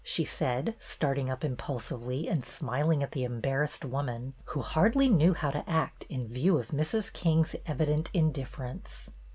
she said, starting up impulsively and smiling at the embarrassed woman, who hardly knew how to act in view of Mrs. King's evident indifference.